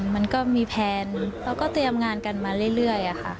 มันก็มีแพลนแล้วก็เตรียมงานกันมาเรื่อยค่ะ